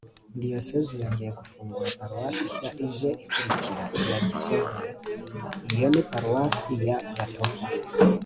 diyosezi yongeye gufungura paruwasi nshya ije ikurikira iya gisovu. iyo ni paruwasi ya gatovu